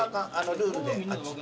ルールで。